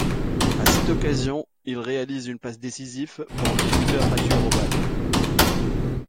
A cette occasion, il réalise une passe décisive pour le buteur Mathieu Robail.